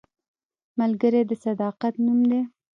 ملګری د صداقت نوم دی